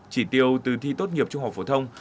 chỉ tiêu từ thi tốt nghiệp trung học phổ thông